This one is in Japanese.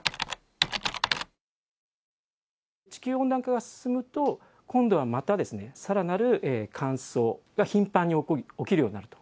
地球温暖化が進むと、今度はまた、さらなる乾燥が頻繁に起きるようになると。